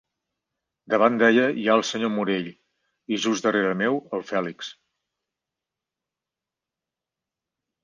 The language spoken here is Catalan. Davant d'ella hi ha el senyor Morell i just darrere meu, el Fèlix.